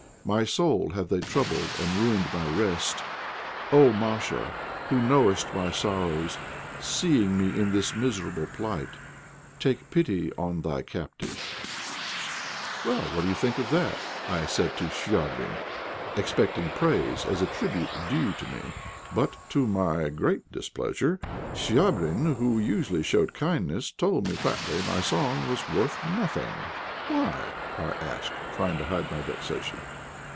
My soul have they troubled and ruined my rest. "Oh! Masha, who knowest my sorrows, Seeing me in this miserable plight, Take pity on thy captive." "What do you think of that?" I said to Chvabrine, expecting praise as a tribute due to me. But to my great displeasure Chvabrine, who usually showed kindness, told me flatly my song was worth nothing. "Why?" I asked, trying to hide my vexation.